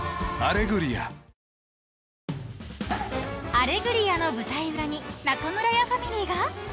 ［『アレグリア』の舞台裏に中村屋ファミリーが］